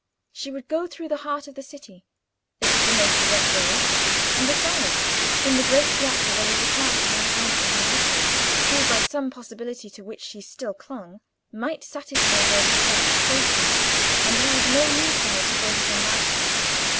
She would go through the heart of the city; it was the most direct road, and, besides, in the great Piazza there was a chance of encountering her husband, who, by some possibility to which she still clung, might satisfy her of the Frate's safety, and leave no need for her to go to San Marco.